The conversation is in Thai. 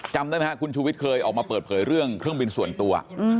จำได้ไหมครับคุณชูวิทย์เคยออกมาเปิดเผยเรื่องเครื่องบินส่วนตัว